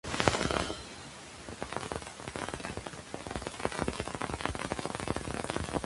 There is also a smaller section near the western rim.